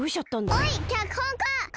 おいきゃくほんか！